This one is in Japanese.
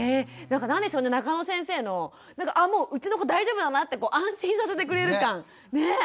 なんか何でしょうね中野先生のあもううちの子大丈夫だなって安心させてくれる感。ね？ね？